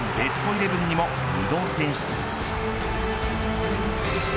イレブンにも２度選出。